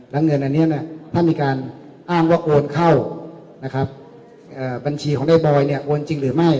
และเงินอันนี้ถ้ามีการอ้างว่าโวนเข้าบัญชีของได้บอยโวนจริงหรือไม่